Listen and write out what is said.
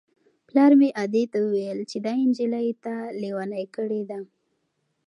پلار مې ادې ته وویل چې دا نجلۍ تا لېونۍ کړې ده.